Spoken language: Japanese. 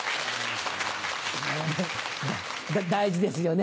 大事ですよね。